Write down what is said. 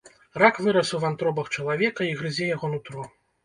Рак вырас у вантробах чалавека і грызе яго нутро.